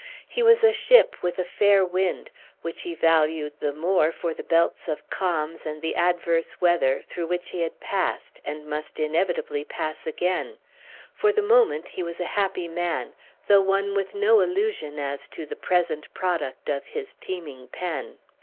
He was a ship with a fair wind, which he valued the more for the belts of calms and the adverse weather through which he had passed and must inevitably pass again; for the moment he was a happy man, though one with no illusion as to the present product of his teeming pen.